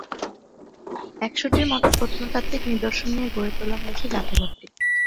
একশ’টির মতো প্রত্নতাত্ত্বিক নিদর্শন নিয়ে গড়ে তোলা হয়েছে জাদুঘরটি।